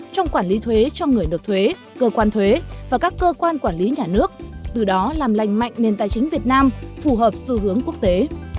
trong quản lý thuế cho người được thuế cơ quan thuế và các cơ quan quản lý nhà nước từ đó làm lành mạnh nền tài chính việt nam phù hợp xu hướng quốc tế